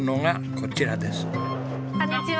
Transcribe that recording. こんにちは。